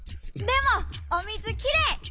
でもおみずきれい！